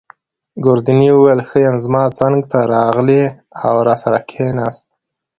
ګوردیني وویل: ښه یم. زما څنګته راغلی او راسره کښېناست.